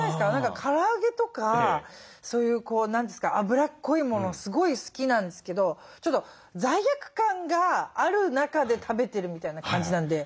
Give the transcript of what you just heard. から揚げとかそういうあぶらっこいものすごい好きなんですけどちょっと罪悪感がある中で食べてるみたいな感じなんで。